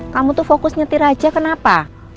kamu tuh fokus nyetir aja kenapa